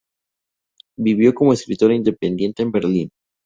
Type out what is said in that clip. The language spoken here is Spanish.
Vivió como escritora independiente en Berlín.